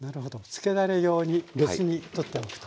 つけだれ用に別に取っておくと。